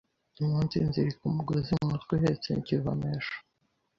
umunsizirika umugozi mu mutwe uhetse ikivomesho